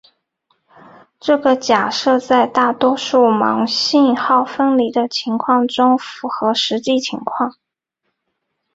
这个假设在大多数盲信号分离的情况中符合实际情况。